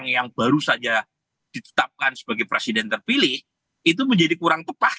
yang baru saja ditetapkan sebagai presiden terpilih itu menjadi kurang tepat